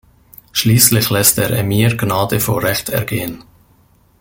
Schließlich lässt der Emir Gnade vor Recht ergehen.